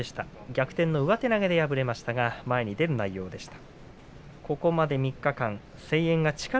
逆転の上手投げで敗れましたけれども前に、前に出る相撲でした。